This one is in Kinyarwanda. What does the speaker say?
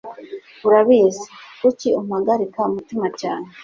urabizi. kuki umpagarika umutima cyane